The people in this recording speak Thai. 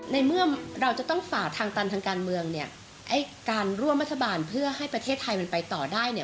ในเมื่อเราจะต้องฝ่าทางตันทางการเมืองเนี่ยไอ้การร่วมรัฐบาลเพื่อให้ประเทศไทยมันไปต่อได้เนี่ย